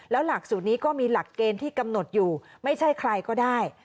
แล้วหลักสูตรนี้ก็มีหลักเกณฑ์ที่กำหนดอยู่ไม่ใช่ใครก็ได้